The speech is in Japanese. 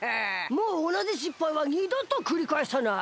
もうおなじしっぱいは２どとくりかえさない！